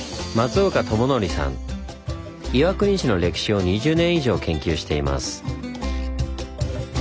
岩国市の歴史を２０年以上研究しています。